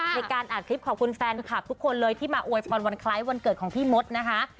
ในการอัดคลิปขอบคุณแฟนคลับทุกคนเลยที่มาอวยพรวันคล้ายวันเกิดของพี่มดนะคะ